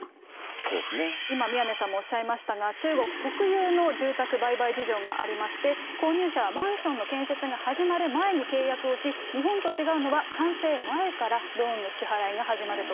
今、宮根さんもおっしゃいましたが、中国特有の住宅売買事情がありまして、購入者はマンションの建設が始まる前に契約をし、日本と違うのは、完成前からローンの支払いが始まると。